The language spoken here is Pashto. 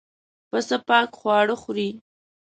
پسه پاک خواړه خوري.